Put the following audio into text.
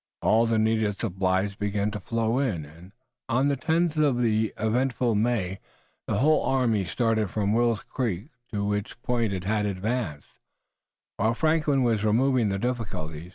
All the needed supplies began to flow in, and on the tenth of an eventful May the whole army started from Wills Creek to which point it had advanced, while Franklin was removing the difficulties.